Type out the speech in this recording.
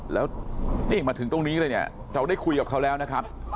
แล้วนี่มาถึงตรงนี้เลยเนี่ยเราได้คุยกับเขาแล้วนะครับ